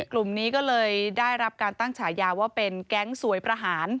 กลุ่มนี้ก็เลยได้รับการตั้งฉายาว่าเป็นแก๊งสวยประหาร